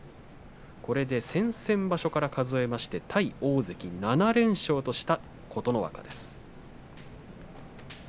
これで先々場所から数えて対大関７連勝とした琴ノ若です。